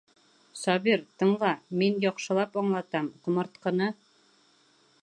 Сабир, тыңла, мин яҡшылап аңлатам: ҡомартҡыны...